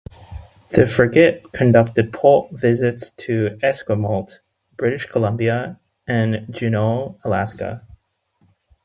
The frigate conducted port visits to Esquimalt, British Columbia and Juneau, Alaska.